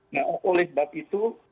nah oleh sebab itu